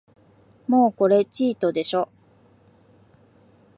もうこれチートでしょ